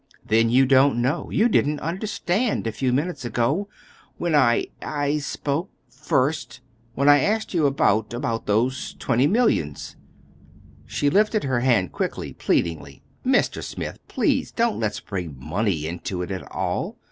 "Then you don't know—you didn't understand a few minutes ago, when I—I spoke first, when I asked you about—about those twenty millions—" She lifted her hand quickly, pleadingly. "Mr. Smith, please, don't let's bring money into it at all.